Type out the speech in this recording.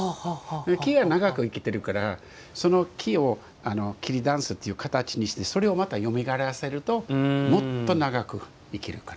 木は長く生きてるからその木を桐たんすという形にしてそれをまたよみがえらせるともっと長く生きるから。